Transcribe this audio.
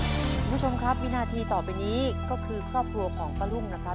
คุณผู้ชมครับวินาทีต่อไปนี้ก็คือครอบครัวของป้ารุ่งนะครับ